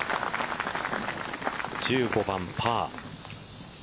１５番パー。